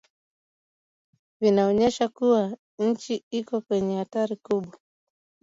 Vinaonyesha kuwa nchi iko kwenye hatari kubwa.